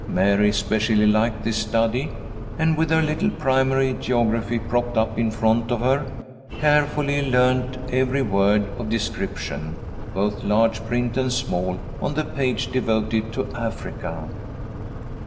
Mary specially liked this study, and with her little primary geography propped up in front of her, carefully learned every word of description, both large print and small, on the page devoted to Africa.